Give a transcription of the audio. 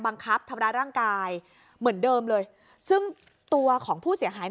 ทำร้ายร่างกายเหมือนเดิมเลยซึ่งตัวของผู้เสียหาย